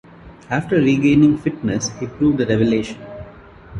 After regaining fitness he proved a revelation.